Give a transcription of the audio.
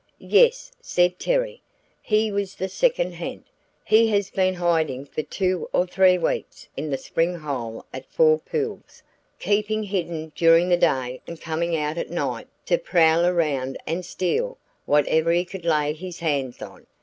"Yes," said Terry, "he was the second ha'nt. He has been hiding for two or three weeks in the spring hole at Four Pools, keeping hidden during the day and coming out at night to prowl around and steal whatever he could lay his hands on.